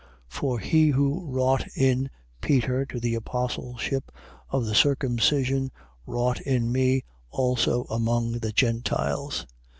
(For he who wrought in Peter to the apostleship of the circumcision wrought in me also among the Gentiles.)